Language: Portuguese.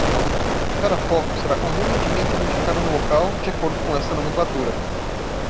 Cada foco será convenientemente identificado no local, de acordo com esta nomenclatura.